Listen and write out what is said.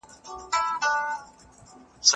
د ژوند لاره تل هواره او اسانه نه وي.